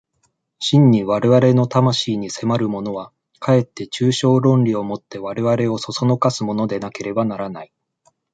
真に我々の魂に迫るものは、かえって抽象論理を以て我々を唆すものでなければならない。